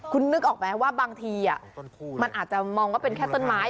คุณนึกออกไหมว่าบางทีมันอาจจะมองว่าเป็นแค่ต้นไม้